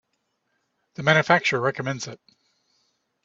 The manufacturer recommends it.